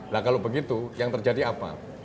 nah kalau begitu yang terjadi apa